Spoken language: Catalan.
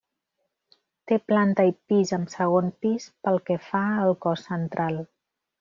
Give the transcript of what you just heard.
Té planta i pis amb segon pis pel que fa al cos central.